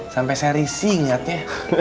sampai saya risih ngeliatnya